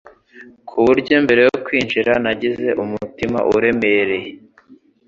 ku buryo mbere yo kwinjira nagize umutima uremereye